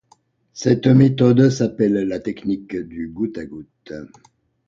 Cette méthode s'appelle la technique du goutte à goutte.